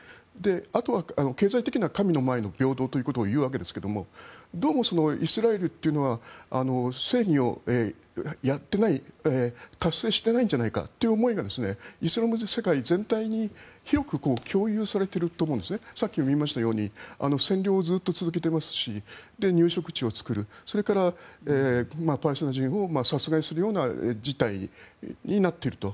あとは経済的な神の前の平等ということを言うわけですがどうもそのイスラエルというのは達成していないんじゃないかという思いがイスラム社会全体に広く共有されていると思うんですさっきも言いましたように占領をずっと続けていますし入植地を作るそれからパレスチナ人を殺害するような事態になっていると。